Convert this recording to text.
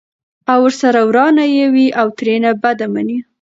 او ورسره ورانه یې وي او ترېنه بده مني!